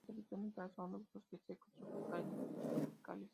Su hábitat natural son los bosques, secos, tropicales y subtropicales.